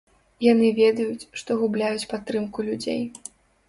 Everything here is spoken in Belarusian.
Яны ведаюць, што губляюць падтрымку людзей.